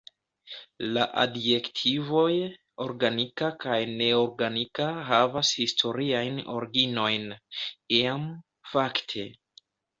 La adjektivoj "organika" kaj "neorganika" havas historiajn originojn; iam, fakte.